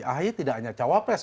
ahy tidak hanya cawapres